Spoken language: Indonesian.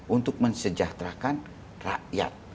untuk mensejahterakan rakyat